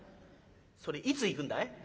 「それいつ行くんだい？」。